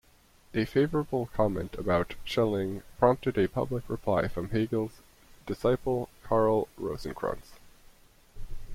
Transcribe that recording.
A favourable comment about Schelling prompted a public reply from Hegel's disciple Karl Rosenkranz.